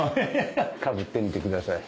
かぶってみてください。